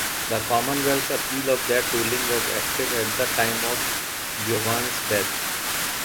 The Commonwealth's appeal of that ruling was active at the time of Geoghan's death.